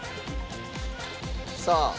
さあ。